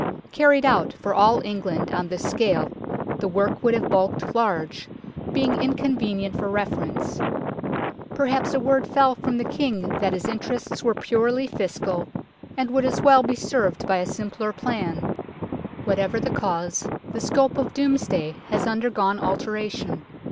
Carried out for all England on this scale, the work would have bulked large, being inconvenient for refer ence. Perhaps a word fell from the King that his interests were purely fiscal, and would as well be served by a simpler plan. Whatever the cause, the scope of Domesday has undergone alteration.